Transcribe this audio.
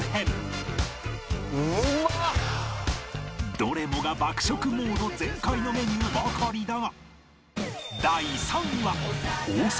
どれもが爆食モード全開のメニューばかりだが